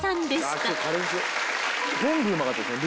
全部うまかったですね